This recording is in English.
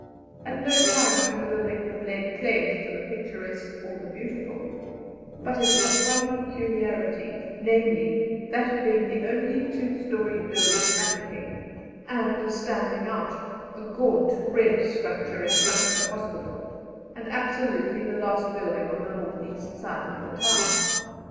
At no time can the building have laid claims to the picturesque or the beautiful, but it had one peculiarity namely, that of being the only two storied building in Mafeking, and of standing out, a gaunt red structure, in front of the hospital, and absolutely the last building on the north east side of the town.